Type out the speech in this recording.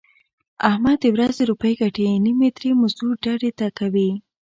احمد د ورځې روپۍ ګټي نیمې ترې مزدور ډډې ته کوي.